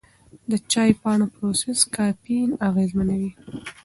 د چای پاڼو پروسس کافین اغېزمنوي.